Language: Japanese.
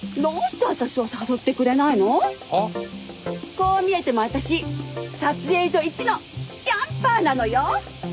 こう見えても私撮影所イチのキャンパーなのよ！